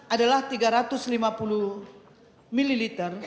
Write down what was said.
adalah tiga ratus lima puluh ml